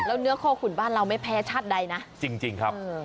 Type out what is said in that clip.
แล้วเนื้อข้อขุนบ้านเราไม่แพ้ชาติใดนะจริงครับ